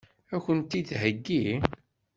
Ad kent-t-id-theggi?